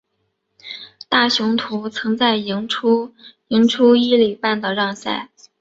大雄图曾在赢出赢出一哩半的让赛。